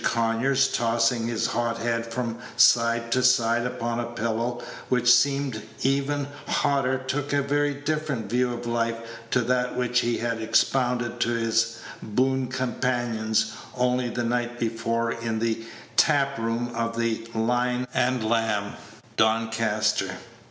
Conyers, tossing his hot head from side to side upon a pillow which seemed even hotter, took a very different view of life to that which he had expounded to his boon companions only the night before in the tap room of the "Lion and Lamb," Doncaster.